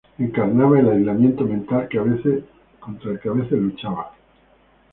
Encarnaba el aislamiento mental que a veces luchaba.